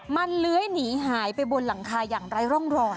มันเลื้อยหนีหายไปบนหลังคาอย่างไร้ร่องรอย